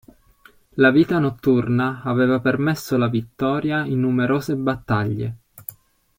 La vita notturna aveva permesso la vittoria in numerose battaglie.